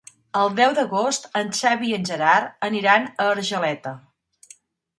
El deu d'agost en Xavi i en Gerard aniran a Argeleta.